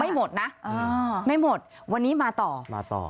ไม่หมดนะอ่าไม่หมดวันนี้มาต่อมาต่อ